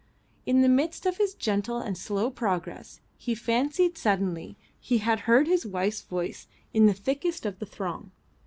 In the midst of his gentle and slow progress he fancied suddenly he had heard his wife's voice in the thickest of the throng.